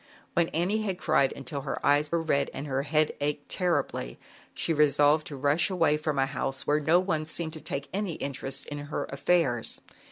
When Annie had cried until her eyes ' were red and her head ached terribly, she resolved to rush away from a house where no one seemed to take any inter est in her affairs.